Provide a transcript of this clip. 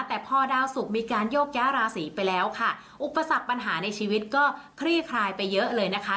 แต่พอดาวสุกมีการโยกย้าราศีไปแล้วค่ะอุปสรรคปัญหาในชีวิตก็คลี่คลายไปเยอะเลยนะคะ